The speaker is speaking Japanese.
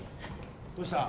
どうした？